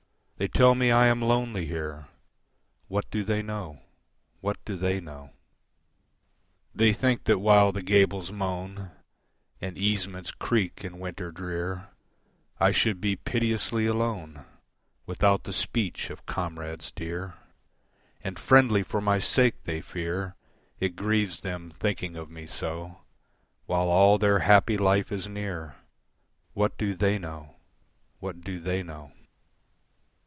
They tell me I am lonely here What do they know? What do they know? They think that while the gables moan And easements creak in winter drear I should be piteously alone Without the speech of comrades dear; And friendly for my sake they fear, It grieves them thinking of me so While all their happy life is near What do they know? What do they know?